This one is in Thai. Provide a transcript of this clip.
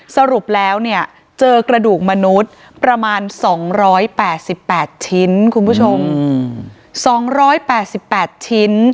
สรุปแล้วเนี่ยเจอกระดูกมนุษย์ประมาณ๒๘๘ชิ้นคุณผู้ชม๒๘๘ชิ้น